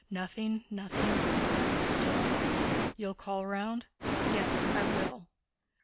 "Nothing, nothing," replied Rostóv. "You'll call round?" "Yes, I will."